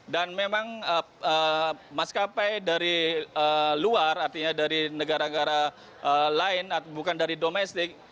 dan memang maskapai dari luar artinya dari negara negara lain bukan dari domestik